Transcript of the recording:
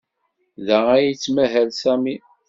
Da ay yettmahal Sami.